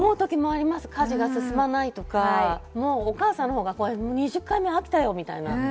家事が進まないとか、お母さんのほうが飽きたよみたいな。